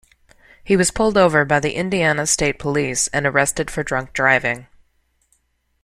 He was pulled over by the Indiana State Police and arrested for drunk driving.